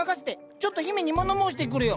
ちょっと姫にもの申してくるよ。